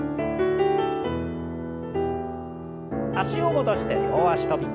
脚を戻して両脚跳び。